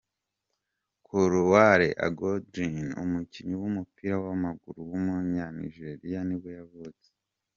Kolawole Agodirin, umukinnyi w’umupira w’amaguru w’umunyanigeriya nibwo yavutse.